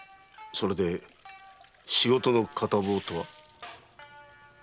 それで仕事の片棒とは？